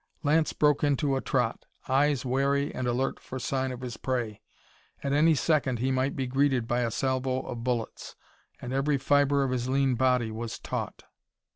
Lance broke into a trot, eyes wary and alert for sign of his prey. At any second he might be greeted by a salvo of bullets, and every fiber of his lean body was taut.